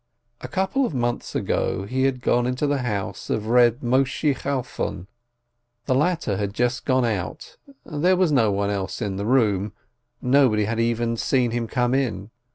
A couple of months ago he had gone into the house of Reb Moisheh Chalfon. The latter had just gone out, there was nobody else in the room, nobody had even seen him come in.